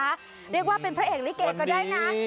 เรียกว่าเป็นพระเอกลิเกก็ได้นะ